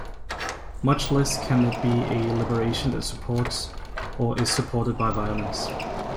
Much less can it be a liberation that supports or is supported by violence.